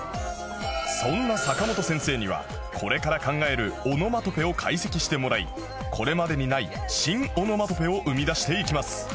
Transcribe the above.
そんな坂本先生にはこれから考えるオノマトペを解析してもらいこれまでにない新オノマトペを生み出していきます